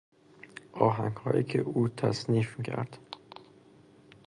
آهنگهایی که او تصنیف کرد